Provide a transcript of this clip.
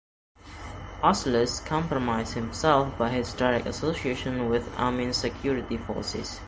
Astles compromised himself by his direct association with Amin's security forces.